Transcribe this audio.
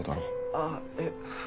あぁえっ。